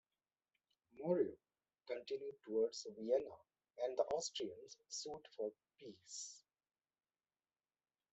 Moreau continued toward Vienna and the Austrians sued for peace.